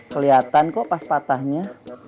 keliatan kok pas patahnya